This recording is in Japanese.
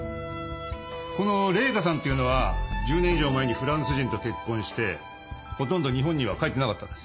この麗華さんというのは１０年以上前にフランス人と結婚してほとんど日本には帰ってなかったんです。